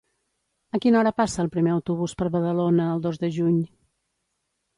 A quina hora passa el primer autobús per Badalona el dos de juny?